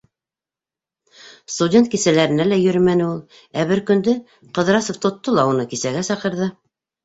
Студент кисәләренә лә йөрөмәне ул. Ә бер көндө Ҡыҙрасов тотто ла уны кисәгә саҡырҙы.